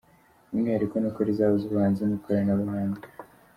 Umwihariko ni uko rizahuza ubuhanzi n’ikoranabuhanga.